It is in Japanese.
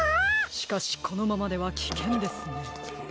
しかしこのままではきけんですね。